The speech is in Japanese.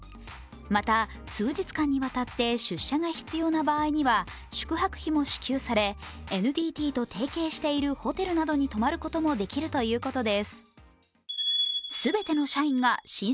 また数日間にわたって出社が必要な場合には宿泊費も支給されＮＴＴと提携しているホテルなどに泊まることもできるということです。